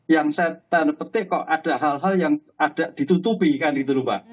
yang saya tanda petik kok ada hal hal yang agak ditutupi kan gitu pak